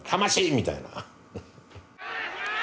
みたいな。